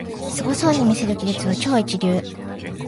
すごそうに見せる技術は超一流